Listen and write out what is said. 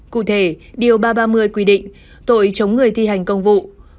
cụ thể điều ba trăm ba mươi quy định tội chống người thi hành công vụ